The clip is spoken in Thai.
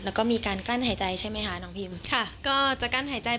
และก็มีการกั้นหายใจใช่ไหมคะน้องพิม